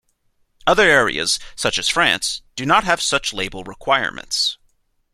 Other areas, such as France, do not have such label requirements.